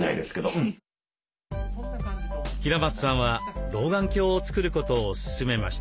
平松さんは老眼鏡を作ることを勧めました。